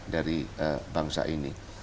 dari bangsa ini